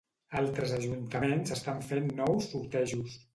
Altres ajuntaments estan fent nous sortejos.